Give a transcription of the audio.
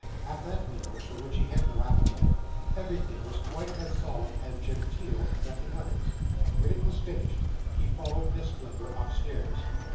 At that meal, for which he had no appetite, everything was quite as solemn and genteel as at the others; and when it was finished, he followed Miss Blimber upstairs.